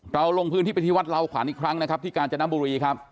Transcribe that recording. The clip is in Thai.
เราลงพื้นที่วัดเหล้าขวัญอีกครั้งที่การจนบุรี